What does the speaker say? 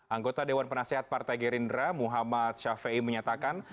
anggota dewan penasehat partai gerindra muhammad syafiei menyatakan